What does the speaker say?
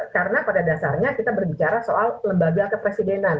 karena pada dasarnya kita berbicara soal lembaga kepresidenan